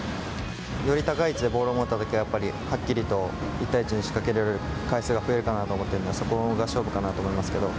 より高い位置でボール持ったとき、はっきりと１対１を仕掛けられる回数が増えられるかなと思ってるんで、そこが勝負かなと思いますけど。